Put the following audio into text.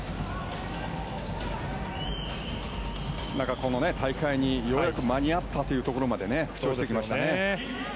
この大会にようやく間に合ったというところまで復調してきましたね。